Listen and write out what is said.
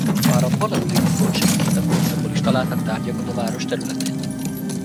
Már a paleolitikum és a szkíta korszakból is találtak tárgyakat a város területén.